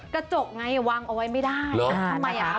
กระจกไงวางเอาไว้ไม่ได้